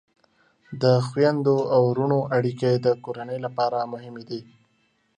د خویندو او ورونو اړیکې د کورنۍ لپاره مهمې دي.